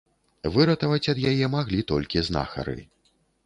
Выратаваць ад яе маглі толькі знахары.